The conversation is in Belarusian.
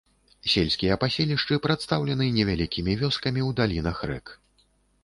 Сельскія паселішчы прадстаўлены невялікімі вёскамі ў далінах рэк.